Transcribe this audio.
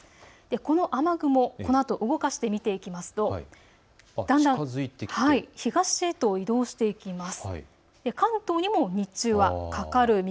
この雨雲、動かしてみますとだんだん東へと移動していきます。